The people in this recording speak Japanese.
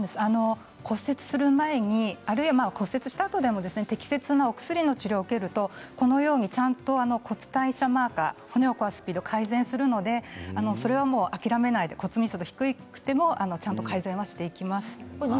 骨折する前に、あるいは骨折したあとでも適切なお薬の治療を受けるとこのようにちゃんと骨代謝マーカー骨を壊すスピードは改善するのでそれは諦めないで骨密度が低くてもちゃんと改善はしていきます。